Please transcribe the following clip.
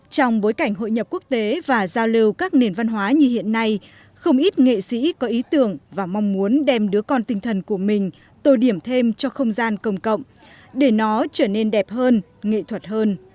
trong bối cảnh hội nhập quốc tế và giao lưu các nền văn hóa như hiện nay không ít nghệ sĩ có ý tưởng và mong muốn đem đứa con tinh thần của mình tôi điểm thêm cho không gian công cộng để nó trở nên đẹp hơn nghệ thuật hơn